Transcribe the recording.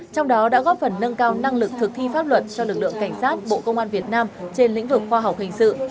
trong đó đã góp phần nâng cao năng lực thực thi pháp luật cho lực lượng cảnh sát bộ công an việt nam trên lĩnh vực khoa học hình sự